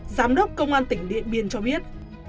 giám đốc công an tỉnh điện biên cho biết